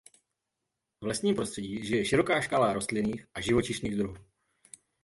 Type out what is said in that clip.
V lesním prostředí žije široká škála rostlinných a živočišných druhů.